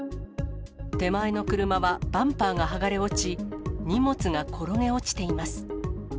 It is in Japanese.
手前の車はバンパーが剥がれ落ち、荷物が転げ落ちています。